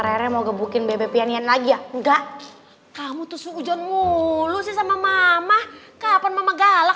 rere mau gebukin bb pianin lagi enggak kamu tuh ujian mulu sih sama mama kapan mama galak